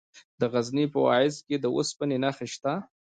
د غزني په واغظ کې د اوسپنې نښې شته.